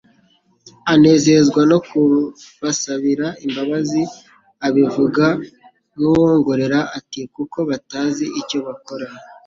Anezezwa no kubasabira imbabazi abivuga nk'uwongorera ati:"Kuko batazi icyo bakora."